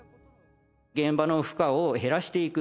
現場の負荷を減らしていく。